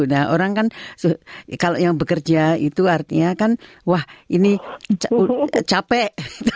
nah orang kan kalau yang bekerja itu artinya kan wah ini capek